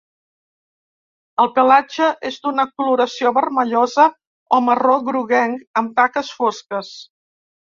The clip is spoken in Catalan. El pelatge és d'una coloració vermellosa o marró groguenc, amb taques fosques.